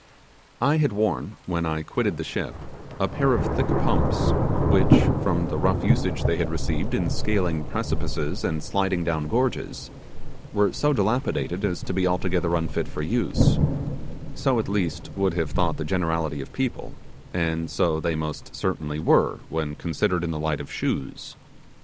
I had worn, when I quitted the ship, a pair of thick pumps, which, from the rough usage they had received in scaling precipices and sliding down gorges, were so dilapidated as to be altogether unfit for use so, at least, would have thought the generality of people, and so they most certainly were, when considered in the light of shoes.